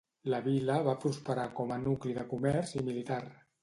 La vila va prosperar com a nucli de comerç i militar.